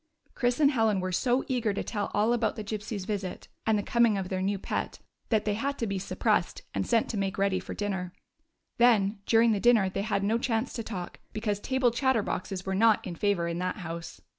Chris and Helen were so eager to tell all about the Gypsy's visit and the coming of their new 54 THE GYPSY DOG FINDS A NEW HOME pet, that they had to be suppressed, and sent to make ready for dinner. Then during the din ner they had no chance to talk, because table chatterboxes were not in favor in that house.